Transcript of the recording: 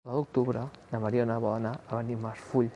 El nou d'octubre na Mariona vol anar a Benimarfull.